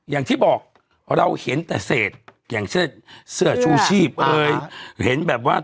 อย่างที่บอกเราเห็นแต่เศษอย่างเช่นเสื้อชูชีพเอ่ยเห็นแบบว่า